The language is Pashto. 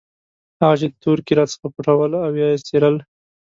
هغه چې تورکي راڅخه پټول او يا يې څيرل.